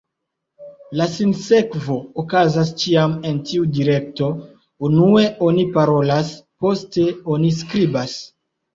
La sinsekvo okazas ĉiam en tiu direkto: unue oni parolas, poste oni skribas.